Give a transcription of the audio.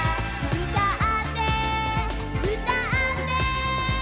「うたってうたって」